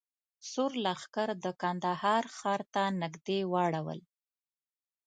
سور لښکر د کندهار ښار ته نږدې واړول.